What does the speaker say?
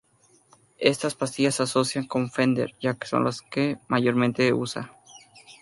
Estas pastillas se asocian con Fender ya que son las que mayormente usa.